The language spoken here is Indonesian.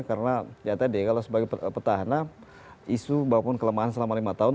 karena sepertanya kalau sebagai petahana isu bahkan kelemahan selama lima tahun